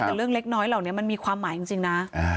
แต่เรื่องเล็กน้อยเหล่านี้มันมีความหมายจริงนะ